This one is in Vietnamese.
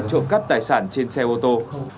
trộm cắp tài sản trên xe ô tô